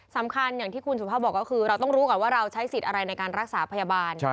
อย่างที่คุณสุภาพบอกก็คือเราต้องรู้ก่อนว่าเราใช้สิทธิ์อะไรในการรักษาพยาบาล